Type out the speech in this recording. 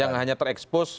yang hanya terekspos